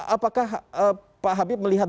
apakah pak habib melihat